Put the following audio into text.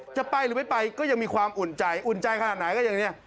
จะไปหรือไม่ไปก็ยังมีความอุ่นใจอุ่นใจขนาดไหนก็อย่างนี้